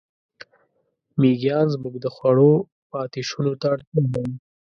مېږیان زموږ د خوړو پاتېشونو ته اړتیا لري.